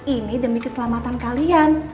ini demi keselamatan kalian